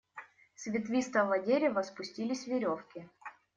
С ветвистого дерева спустились веревки.